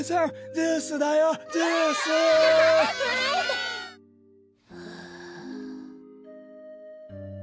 ジュースだよジュース！はあ。